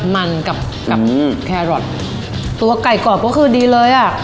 มันกับกับแครอทตัวไก่กรอบก็คือดีเลยอ่ะ